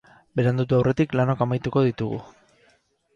Berandutu aurretik, lanok amaituko ditugu.